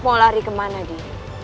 mau lari kemana di